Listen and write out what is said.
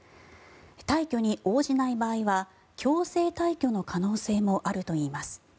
退去に応じない場合は強制退去の可能性もあるといいます。